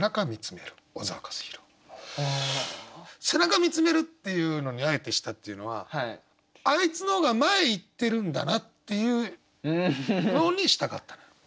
「背中見つめる」っていうのにあえてしたっていうのはあいつの方が前行ってるんだなっていうようにしたかったから。